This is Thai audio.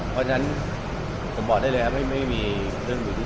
เพราะฉะนั้นผมบอกได้เลยครับไม่มีเรื่องพื้นที่